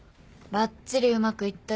ばっちりうまくいったよ。